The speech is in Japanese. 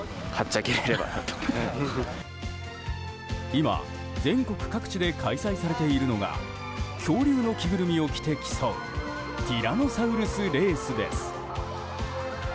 今、全国各地で開催されているのが恐竜の着ぐるみを着て競うティラノサウルスレースです。